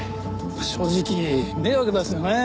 正直迷惑ですよねえ。